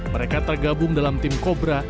mereka tergabung dalam tim kobra